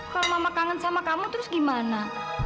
kalau mama kangen sama kamu terus gimana